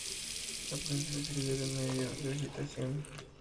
La prensa le sirvió de medio de agitación.